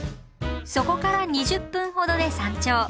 そこから２０分ほどで山頂。